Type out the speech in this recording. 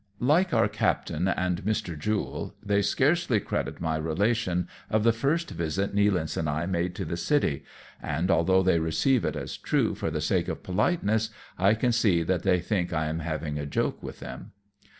Like our captain and Mr. Jule, they scarcely credit my relation of the first visit Nealance and I made to the city, and although they receive it as true for the sake of politeness, I can see that they think I am having a joke with them.